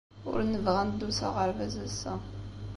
Ur nebɣi ad neddu s aɣerbaz ass-a.